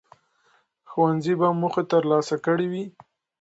ښوونځي به موخې ترلاسه کړي وي.